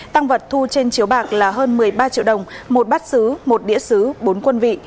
tăng vật thu trên chiếu bạc là hơn một mươi ba triệu đồng một bát xứ một đĩa xứ bốn quân vị